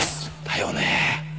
だよね